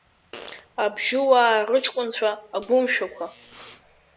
Абжьыуаа рыҷкәынцәа, агәымшәақәа…